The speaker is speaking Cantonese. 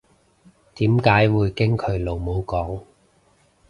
點解會經佢老母溝